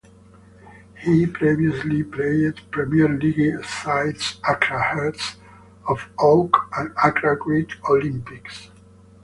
He previously played Premier league sides Accra Hearts of Oak and Accra Great Olympics.